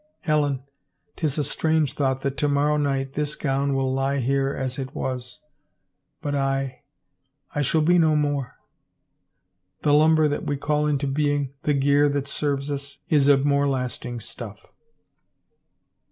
Helen, *tis a strange thought that to morrow night this gown will lie here as it was, but I — I shall be no more. The lumber that we call into being, the gear that serves us, is of more lasting stuff."